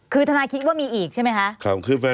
คือทนายคิดว่ามีอีกใช่ไหมคะ